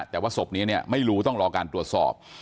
แต่ว่าศพนี้เนี่ยไม่รู้ต้องรอการตรวจสอบ